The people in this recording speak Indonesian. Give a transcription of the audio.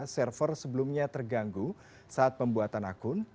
server sebelumnya terganggu saat pembuatan akun